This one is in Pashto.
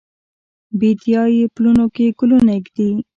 بیدیا یې پلونو کې ګلونه ایږدي